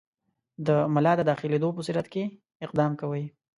د ملا د داخلېدلو په صورت کې اقدام کوئ.